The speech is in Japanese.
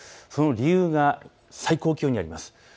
その理由が最高気温にあります。